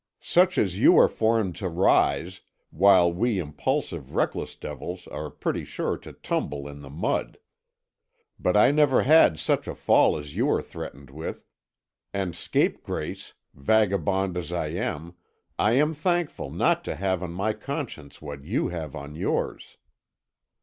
Such as you are formed to rise, while we impulsive, reckless devils are pretty sure to tumble in the mud. But I never had such a fall as you are threatened with, and scapegrace, vagabond as I am, I am thankful not to have on my conscience what you have on yours.